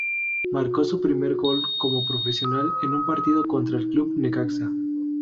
Marcó su primer gol como profesional en un partido contra el Club Necaxa.